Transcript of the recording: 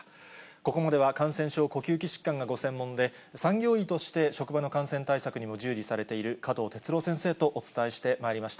ここまでは感染症、呼吸器疾患がご専門で、産業医として職場の感染対策にも従事されている加藤哲朗先生とお伝えしてまいりました。